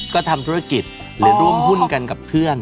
ก็ทำธุรกิจหรือร่วมหุ้นกันกับเพื่อน